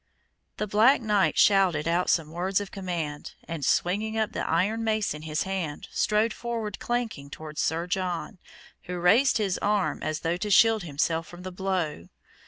The black knight shouted out some words of command, and swinging up the iron mace in his hand, strode forward clanking towards Sir John, who raised his arm as though to shield himself from the blow.